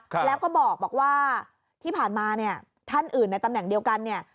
แล้วก็บอกว่าที่ผ่านมาเนี่ยท่านอื่นในตำแหน่งเดียวกันเนี่ย